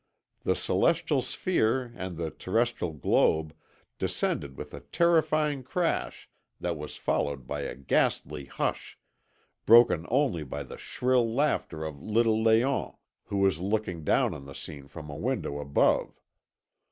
The celestial sphere and the terrestrial globe descended with a terrifying crash that was followed by a ghastly hush, broken only by the shrill laughter of little Léon, who was looking down on the scene from a window above.